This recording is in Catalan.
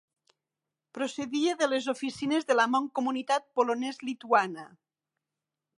Procedia de les oficines de la Mancomunitat polonès-lituana.